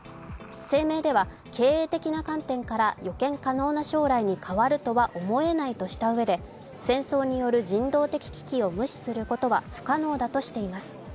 声明では、経営的な観点から予見可能な将来に変わるとは思えないとしたうえで戦争による人道的危機を無視することは不可能だとしています。